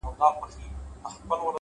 خپل عادتونه په دقت جوړ کړئ؛